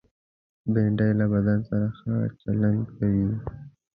بېنډۍ له بدن سره ښه چلند کوي